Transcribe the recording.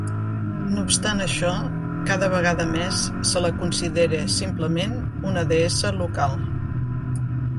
No obstant això, cada vegada més, se la considera, simplement, una deessa local.